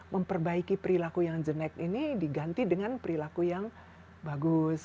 memperbaiki perilaku yang jelek ini diganti dengan perilaku yang bagus